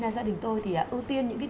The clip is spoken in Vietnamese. nên gia đình tôi thì ưu tiên những cái định